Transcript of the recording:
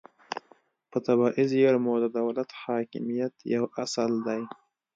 په طبیعي زیرمو د دولت حاکمیت یو اصل دی